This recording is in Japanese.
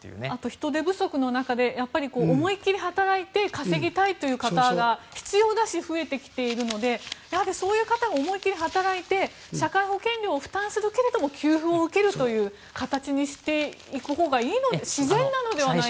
人手不足の中で思いっ切り働いて稼ぎたいという人が必要だし、増えてきているのでそういう方も思い切り働いて社会保険料を負担するけど給付を受けるという形にしたほうがいいのではないかと。